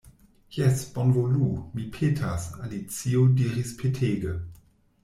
"Jes, bonvolu, mi petas," Alicio diris petege.